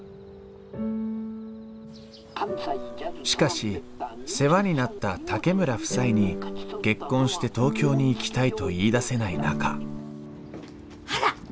しかし世話になった竹村夫妻に結婚して東京に行きたいと言い出せない中あらっ！